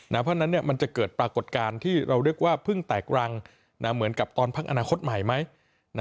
เพราะฉะนั้นมันจะเกิดปรากฏการณ์ที่เราเรียกว่าเพิ่งแตกรังเหมือนกับตอนพักอนาคตใหม่ไหม